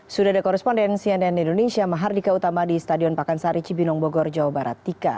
sudah ada koresponden cnn indonesia mahardika utama di stadion pakansari cibinong bogor jawa barat tika